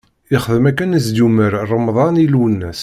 Ixdem akken i s-d-yumeṛ Remḍan i Lwennas.